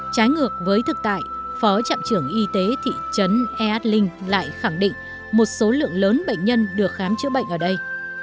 trái ngược với thực tại phó trạm trưởng y tế thị trấn eat linh lại khẳng định một số lượng lớn bệnh nhân được khám chữa bệnh ở đây